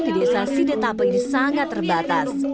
di desa sidetape ini sangat terbatas